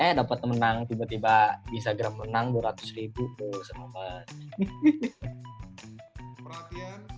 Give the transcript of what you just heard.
terus eh dapat menang tiba tiba bisa gram menang dua ratus tuh seneng banget